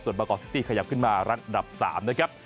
ส่วนบากอร์ดซิตี้ขยับขึ้นมารักดับ๓นะครับ